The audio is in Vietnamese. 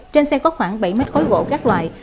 trên xe có khoảng bảy mét khối gỗ các loại